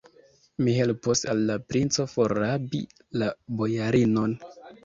Mi helpos al la princo forrabi la bojarinon.